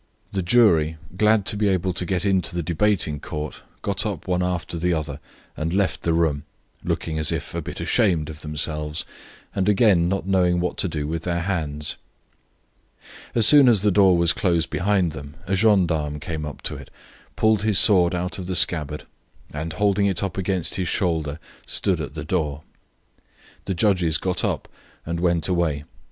The jury, glad to be able to get into the debating court, got up one after the other and left the room, looking as if a bit ashamed of themselves and again not knowing what to do with their hands. As soon as the door was closed behind them a gendarme came up to it, pulled his sword out of the scabbard, and, holding it up against his shoulder, stood at the door. The judges got up and went away.